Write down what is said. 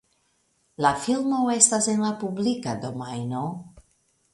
La filmo estas en la publika domajno.